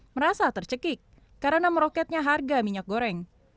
merasa tercekik karena meroketnya harga minyak goreng